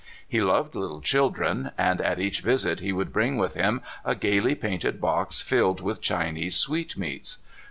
He loved little children, and at each visit he would bring with him a gayly painted box tilled with Chinese sweetmeats.